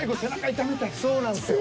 そうなんですよ。